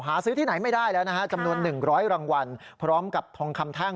หาซื้อที่ไหนไม่ได้แล้วนะฮะจำนวน๑๐๐รางวัลพร้อมกับทองคำแท่ง